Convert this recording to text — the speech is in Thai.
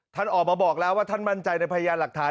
ท่านออกมาบอกแล้วว่าท่านมั่นใจในพยานหลักฐาน